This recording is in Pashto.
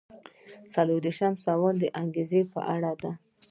څلور دېرشم سوال د انګیزې په اړه دی.